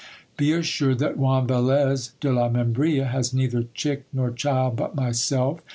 Be as sured that Juan Velez de la Membrilla has neither chick nor child but myself.